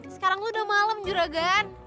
sekarang lu udah malem juregan